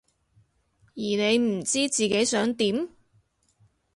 而你唔知自己想點？